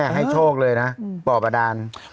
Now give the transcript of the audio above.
ให้โชคเลยนะป่อบาดาน